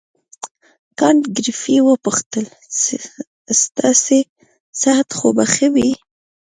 کانت ګریفي وپوښتل ستاسې صحت خو به ښه وي.